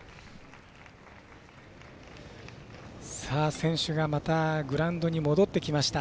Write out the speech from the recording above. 選手が、またグラウンドに戻ってきました。